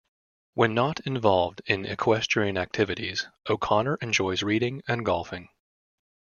When not involved in equestrian activities, O'Connor enjoys reading and golfing.